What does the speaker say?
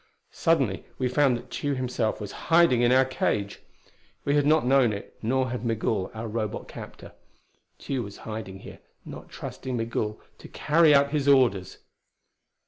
Suddenly we found that Tugh himself was hiding in our cage! We had not known it, nor had Migul, our Robot captor. Tugh was hiding here, not trusting Migul to carry out his orders!